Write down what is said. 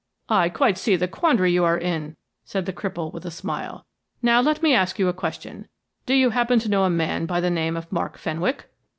"I quite see the quandary you are in," said the cripple, with a smile. "Now, let me ask you a question. Do you happen to know a man by the name of Mark Fenwick?"